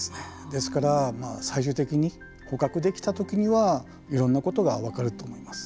ですから、最終的に捕獲できたときにはいろんなことが分かると思います。